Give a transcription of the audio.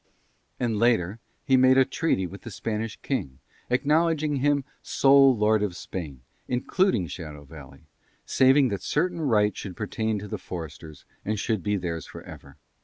And later he made a treaty with the Spanish King acknowledging him sole Lord of Spain, including Shadow Valley, saving that certain right should pertain to the foresters and should be theirs for ever.